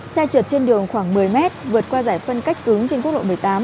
xe trượt trên đường khoảng một mươi mét vượt qua giải phân cách cứng trên quốc lộ một mươi tám